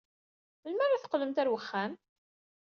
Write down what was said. Melmi ara teqqlemt ɣer uxxam?